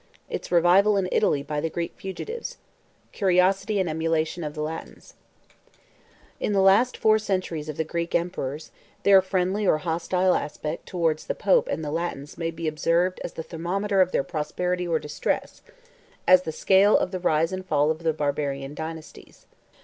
—Its Revival In Italy By The Greek Fugitives.—Curiosity And Emulation Of The Latins. In the four last centuries of the Greek emperors, their friendly or hostile aspect towards the pope and the Latins may be observed as the thermometer of their prosperity or distress; as the scale of the rise and fall of the Barbarian dynasties.